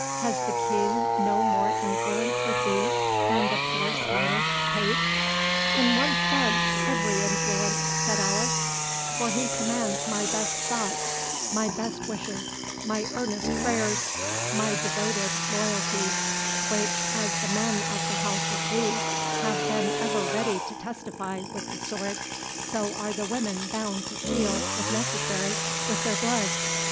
Has the King no more influence with thee than the poor Scottish page?" "In one sense, every influence," said Alice; "for he commands my best thoughts, my best wishes, my earnest prayers, my devoted loyalty, which, as the men of the House of Lee have been ever ready to testify with the sword, so are the women bound to seal, if necessary, with their blood.